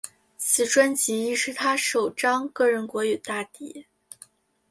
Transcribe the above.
此专辑亦是他首张个人国语大碟。